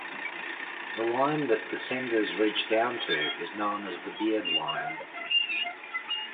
The line that descenders reach down to is known as the beard line.